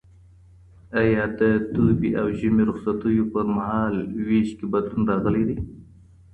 آیا د دوبي او ژمي رخصتیو په مهال ویش کي بدلون راغلی دی؟